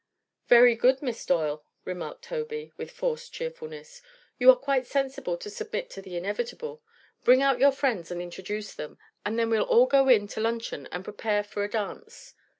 "Very good, Miss Doyle," remarked Tobey, with forced cheerfulness. "You are quite sensible to submit to the inevitable. Bring out your friends and introduce them, and then we'll all go in to luncheon and prepare for the dance."